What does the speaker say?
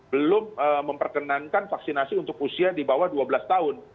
belum memperkenankan vaksinasi untuk usia di bawah dua belas tahun